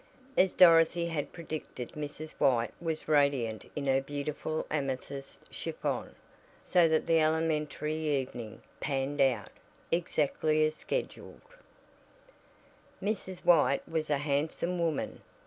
As Dorothy had predicted Mrs. White was radiant in her beautiful amethyst chiffon, so that the elementary evening "panned out" exactly as scheduled. Mrs. White was a handsome woman.